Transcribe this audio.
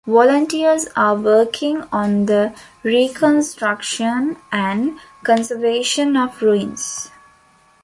Volunteers are working on the reconstruction and conservation of ruins.